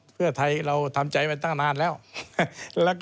เพื่อไทยเราทำใจไปตั้งนานแล้ว